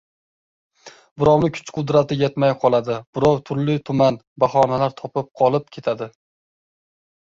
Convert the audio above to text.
Birovi kuch-qudrati yetmay qoladi, birov turli-tuman bahonalar topib qolib ketadi.